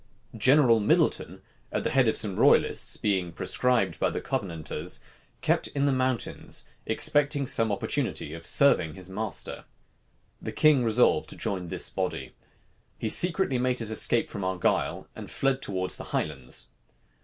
General Middleton, at the head of some royalists, being proscribed by the Covenanters, kept in the mountains, expecting some opportunity of serving his master. The king resolved to join this body. He secretly made his escape from Argyle, and fled towards the Highlands.